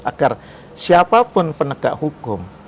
agar siapapun penegak hukum